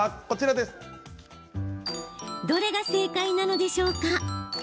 どれが正解なのでしょうか。